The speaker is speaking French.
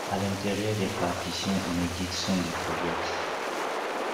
À l’intérieur, des partitions inédites sont découvertes.